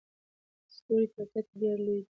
ستوري په حقیقت کې ډېر لوی دي.